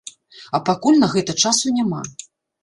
А пакуль на гэта часу няма.